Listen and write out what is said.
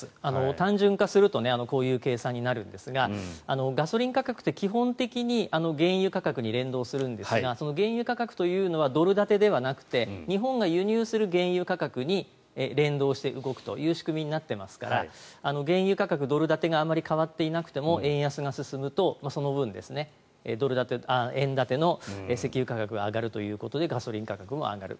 単純化するとこういう計算になるんですがガソリン価格って基本的に原油価格に連動するんですが原油価格というのはドル建てではなくて日本が輸入する原油価格に連動して動くという仕組みになっていますから原油価格、ドル建てがあまり変わっていなくても円安が進むと、その分円建ての石油価格が上がるということでガソリン価格も上がる。